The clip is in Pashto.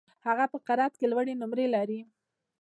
هغه په قرائت کي لوړي نمرې لري.